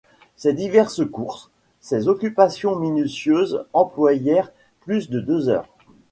Ces diverses courses, ces occupations minutieuses employèrent plus de deux heures.